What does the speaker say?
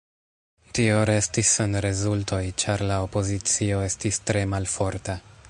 Tio restis sen rezultoj, ĉar la opozicio estis tre malforta.